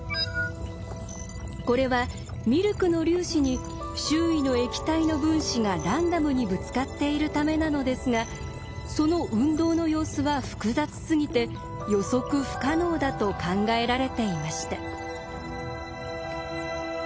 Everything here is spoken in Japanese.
これはミルクの粒子に周囲の液体の分子がランダムにぶつかっているためなのですがその運動の様子は複雑すぎて予測不可能だと考えられていました。